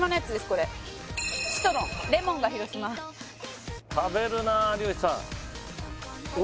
これシトロンレモンが広島食べるな有吉さん